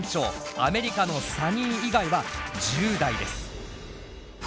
アメリカのＳｕｎｎｙ以外は１０代です。